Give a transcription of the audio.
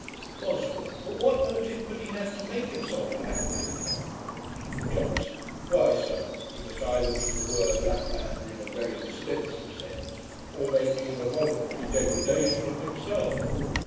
BOSWELL. 'But what motive could he have to make himself a Laplander?' JOHNSON. 'Why, sir, he must either mean the word Laplander in a very extensive sense, or may mean a voluntary degradation of himself.